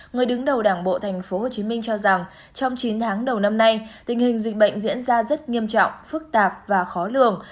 người đứng đầu đảng bộ tp hcm cho rằng trong chín tháng đầu năm nay tình hình dịch bệnh diễn ra rất nghiêm trọng phức tạp và khó lường